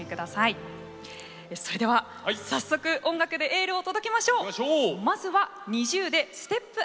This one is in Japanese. それでは早速音楽でエールを届けましょう！